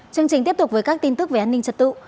chương trình tiếp tục với các tin tức về an ninh trật tự